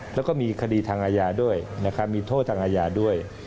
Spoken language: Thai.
แล้วก็มีคดีทางอาญาด้วยนะครับมีโทษทางอาญาด้วย